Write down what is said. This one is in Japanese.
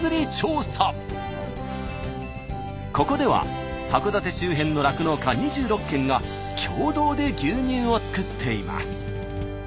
ここでは函館周辺の酪農家２６軒が共同で牛乳を作っています。